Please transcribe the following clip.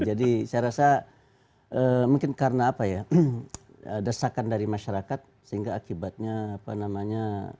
jadi saya rasa mungkin karena apa ya desakan dari masyarakat sehingga akibatnya apa namanya